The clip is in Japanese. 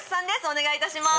お願いいたします。